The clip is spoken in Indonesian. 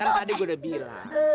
karena tadi gue udah bilang